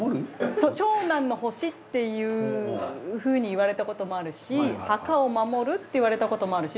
そう長男の星っていうふうに言われたこともあるし墓を守るって言われたこともあるし。